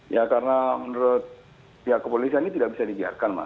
ya karena menurut pihak kepolisian ini tidak bisa dibiarkan mas